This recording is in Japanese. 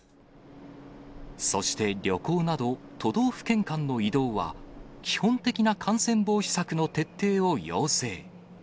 そして旅行など都道府県間の移動は、基本的な感染防止策の徹底を要請。